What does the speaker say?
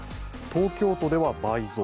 東京都では倍増。